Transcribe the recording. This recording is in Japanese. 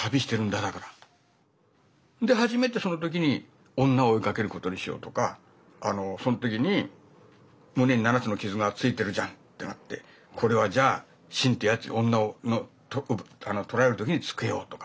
で初めてその時に女を追いかけることにしようとかその時に胸に７つの傷がついてるじゃんってなってこれはじゃあシンってやつに女を取られる時につけようとか。